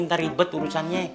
ntar ribet urusannya